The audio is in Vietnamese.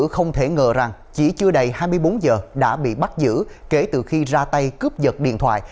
không thể ngờ rằng chỉ chưa đầy hai mươi bốn giờ đã bị bắt giữ kể từ khi ra tay cướp giật điện thoại